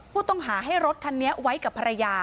ผู้ต้องหาให้รถคันนี้ไว้กับภรรยา